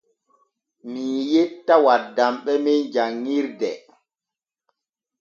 Mii yetta waddamɓe men janŋirde.